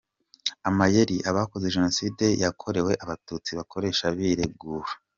Amayeri abakoze Jenoside yakorewe Abatutsi bakoresha biregura.